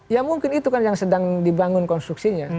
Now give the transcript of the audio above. ya mungkin itu kan yang sedang dibangun konstruksinya